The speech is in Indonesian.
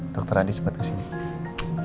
dokter andi sempat kesini